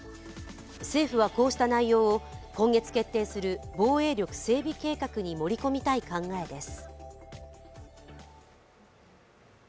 政府はこうした内容を今月決定する防衛力整備計画に盛り込みたい考えです。